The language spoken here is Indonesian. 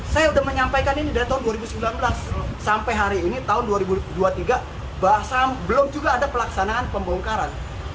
saya sudah menyampaikan ini dari tahun dua ribu sembilan belas sampai hari ini tahun dua ribu dua puluh tiga bahkan belum juga ada pelaksanaan pembongkaran